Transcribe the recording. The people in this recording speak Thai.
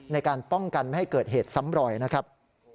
ในการป้องกันไม่ให้เกิดเหตุซ้ำรอยนะครับ